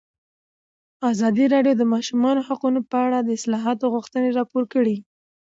ازادي راډیو د د ماشومانو حقونه په اړه د اصلاحاتو غوښتنې راپور کړې.